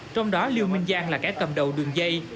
trong đó liêu minh giang là kẻ cầm đầu đường dây